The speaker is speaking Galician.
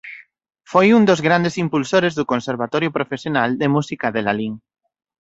Foi un dos grandes impulsores do Conservatorio Profesional de Música de Lalín.